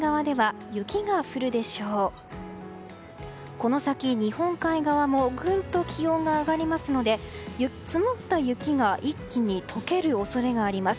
この先、日本海側もグーンと気温が上がりますので積もった雪が一気に解ける恐れがあります。